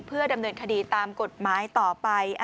เพื่อดำเนินคดีตามกฎหมายต่อไป